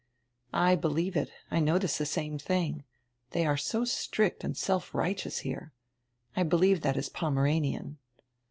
" I believe it. I notice tire same tiring. They are so strict and self righteous here. I believe that is Pomeranian."